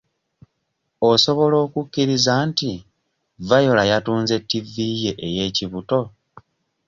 Osobola okukikkiriza nti viola yatunze ttivi ye ey'ekibuto.